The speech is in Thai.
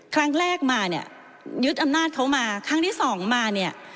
ครั้งแรกมาเนี่ยยึดอำนาจเขามาครั้งที่สองมาเนี่ย